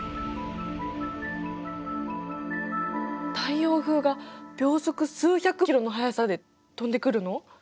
太陽風が秒速数百キロの速さで飛んでくるの？